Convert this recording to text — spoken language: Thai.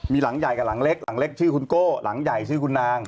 มีหลังใหญ่กับหลังเล็กหลังเล็กชื่อคุณโก้หลังใหญ่ชื่อคุณนาง